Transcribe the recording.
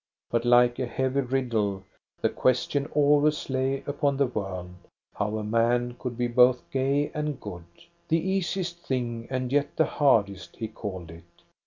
But, like a heavy riddle, the question always lay upon the world, how a man could be both gay and good. The easiest thing and yet the hardest, he called it.